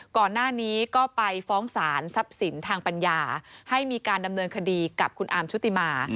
ก่อนหน้านี้ก็ไปฟ้องสารทรัพย์สินทางปัญญาให้มีการดำเนินคดีกับคุณอาร์มชุติมา